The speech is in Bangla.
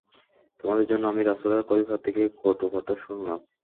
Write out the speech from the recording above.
তোমাদের জন্য আমি রাসূলের খলীফা থেকে কটু কথা শুনলাম।